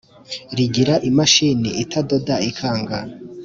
Rigira imashini itadoda ikanga